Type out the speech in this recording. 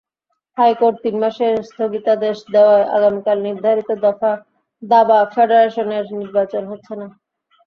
High court তিন মাসের স্থগিতাদেশ দেওয়ায় আগামীকাল নির্ধারিত দাবা ফেডারেশনের নির্বাচন হচ্ছে না।